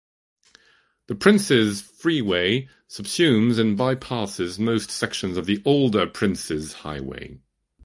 The Princes Freeway subsumes and bypasses most sections of the older Princes Highway.